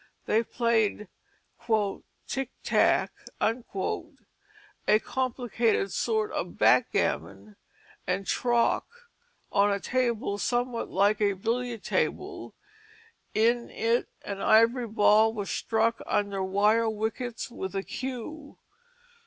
They played "tick tack," a complicated sort of backgammon; and trock, on a table somewhat like a billiard table; in it an ivory ball was struck under wire wickets with a cue.